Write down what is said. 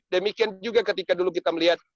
demikian juga ketika dulu kita melihat